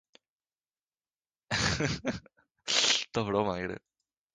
Ещё разик, ещё да раз!